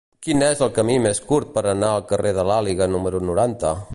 Quin és el camí més curt per anar al carrer de l'Àliga número noranta?